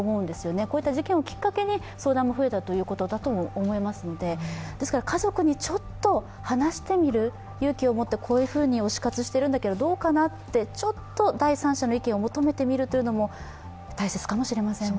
こういった事件をきっかけに相談も増えたということだと思いますのでですから家族にちょっと話してみる、勇気を持ってこういうふうに推し活しているんだけど、どうかなって第三者の意見を求めてみるのも大切かもしれませんね。